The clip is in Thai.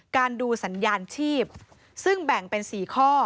ดูสัญญาณชีพซึ่งแบ่งเป็น๔ข้อ